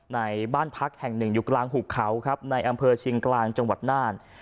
ในบ้านพักแห่งหนึ่งอยู่กลางหุบเขาครับในอำเภอเชียงกลางจังหวัดน่าน